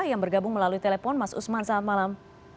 yang bergabung melalui telepon mas usman selamat malam